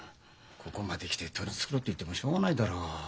ここまで来て取り繕っていてもしょうがないだろう。